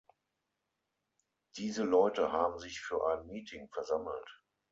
Diese Leute haben sich für ein Meeting versammelt.